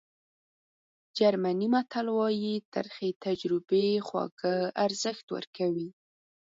جرمني متل وایي ترخې تجربې خواږه ارزښت ورکوي.